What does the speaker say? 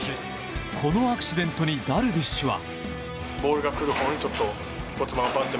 このアクシデントにダルビッシュは。